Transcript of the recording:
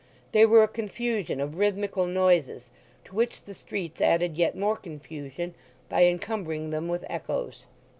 They were a confusion of rhythmical noises, to which the streets added yet more confusion by encumbering them with echoes.